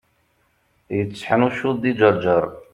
Yetteḥnuccuḍ di Ǧerǧer.